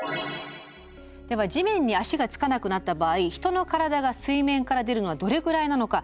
では地面に足が着かなくなった場合人の体が水面から出るのはどれぐらいなのか。